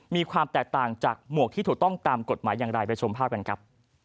มีความแตกต่างจากหมวกที่ถูกต้องตามกฎหมายอย่างไรไปชมภาพกันครับ